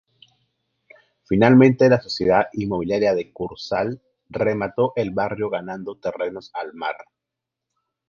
Finalmente la Sociedad Inmobiliaria del Kursaal remató el barrio ganando terrenos al mar.